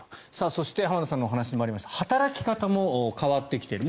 そして、浜田さんのお話にもありましたが働き方も変わってきている。